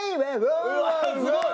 うわっすごい！